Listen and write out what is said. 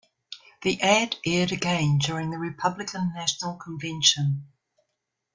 The ad aired again during the Republican National Convention.